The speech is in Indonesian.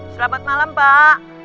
selamat malam pak